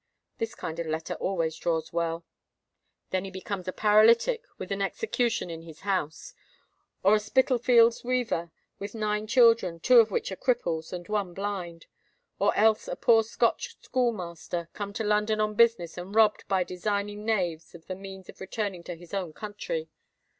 This kind of letter always draws well. Then he becomes a paralytic with an execution in his house; or a Spitalfields' weaver, with nine children, two of which are cripples, and one blind; or else a poor Scotch schoolmaster, come to London on business, and robbed by designing knaves of the means of returning to his own country.